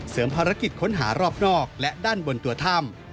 ภารกิจค้นหารอบนอกและด้านบนตัวถ้ำ